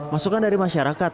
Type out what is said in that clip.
masukan dari masyarakat